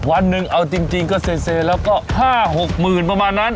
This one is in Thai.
วันหนึ่งเอาจริงก็เซแล้วก็๕๖หมื่นประมาณนั้น